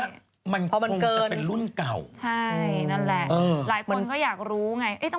ใช่นั่นแหละหลายคนก็อยากรู้ไง